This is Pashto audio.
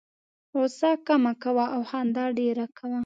غوسه کمه کوه او خندا ډېره کوه.